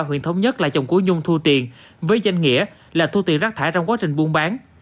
huyện thống nhất là chồng của nhung thu tiền với danh nghĩa là thu tiền rác thải trong quá trình buôn bán